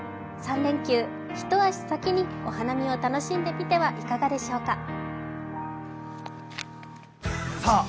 ３連休、一足先にお花見を楽しんでみてはいかがでしょうか。